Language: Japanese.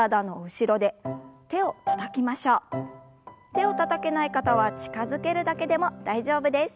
手をたたけない方は近づけるだけでも大丈夫です。